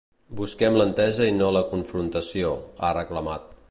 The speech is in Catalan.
“Busquem l’entesa i no la confrontació”, ha reclamat.